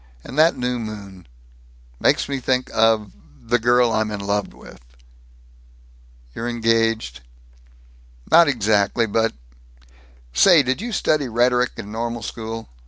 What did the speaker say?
And that new moon Makes me think of the girl I'm in love with." "You're engaged?" wistfully. "Not exactly but Say, did you study rhetoric in Normal School?